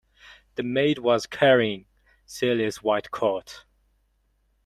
The maid was carrying Celia's white coat.